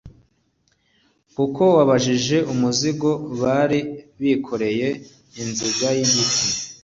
kuko wabakijije umuzigo bari bikoreye, ingiga yigiti